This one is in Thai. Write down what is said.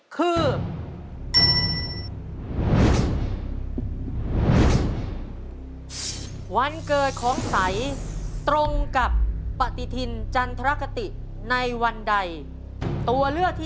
เป็นวันเกิดของพี่สาวที่แสนดีของชาติ